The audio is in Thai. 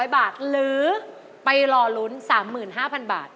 ๐บาทหรือไปรอลุ้น๓๕๐๐๐บาท